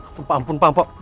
ampun ampun ampun